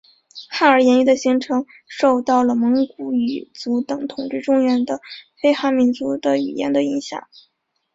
汉儿言语的形成受到了蒙古语族等统治中原的非汉民族的语言的影响。